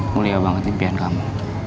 mulia banget impian kamu